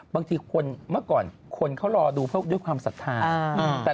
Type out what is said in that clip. บางทีมันก่อนคนเขารอดูเพราะด้วยความศักดิ์ฐาน